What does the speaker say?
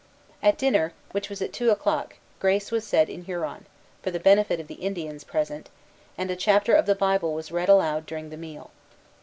At dinner, which was at two o'clock, grace was said in Huron, for the benefit of the Indians present, and a chapter of the Bible was read aloud during the meal.